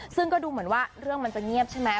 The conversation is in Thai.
ซึ่งก็ดูเหมือนว่าเรื่องมันจะเงียบใช่ไหม